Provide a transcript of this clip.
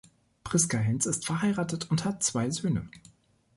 Priska Hinz ist verheiratet und hat zwei Söhne.